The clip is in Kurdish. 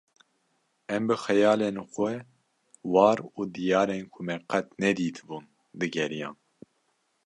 em bi xeyalên xwe war û diyarên ku me qet nedîtibûn digeriyan